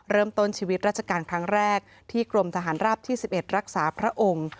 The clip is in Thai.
เริ่มต้นชีวิตราชการครั้งแรกที่กรมทหารราบที่๑๑รักษาพระองค์